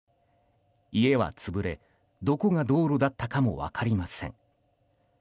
家は潰れ、どこが道路だったかも分かりません。